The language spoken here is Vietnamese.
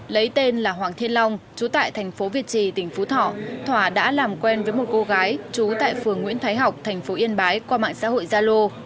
lấy tên là hoàng thiên long chú tại thành phố việt trì tỉnh phú thọ thỏa đã làm quen với một cô gái trú tại phường nguyễn thái học thành phố yên bái qua mạng xã hội gia lô